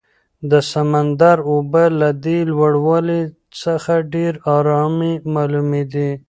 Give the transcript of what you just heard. د سمندر اوبه له دې لوړوالي څخه ډېرې ارامې معلومېدې.